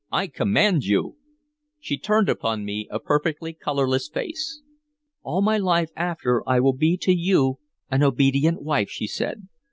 "I command you" She turned upon me a perfectly colorless face. "All my life after I will be to you an obedient wife," she said.